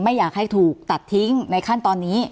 ไม่อยากให้ถูกตัดทิ้งในขั้นตอนนี้